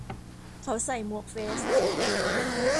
เขาใส่หมวกเฟซ